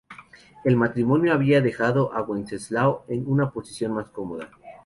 El matrimonio había dejado a Wenceslao en una posición más cómoda.